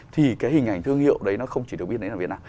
thì cái hình ảnh thương hiệu đấy nó không chỉ được biết đến là việt nam